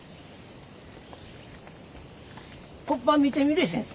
こっば見てみれ先生。